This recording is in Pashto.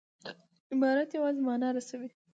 عبارت یوازي مانا رسوي.